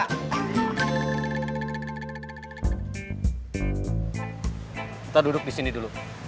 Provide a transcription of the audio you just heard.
kita duduk di sini dulu